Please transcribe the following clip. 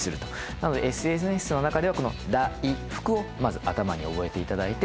なのでＳＮＳの中ではこの「だいふく」をまず頭に覚えていただいて。